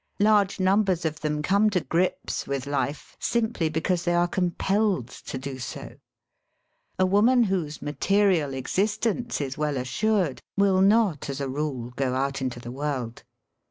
Large numbers of them come to grips with life simply because they are compelled to do so. A woman whose material ex istence is well assured will not as a rule go out into the world.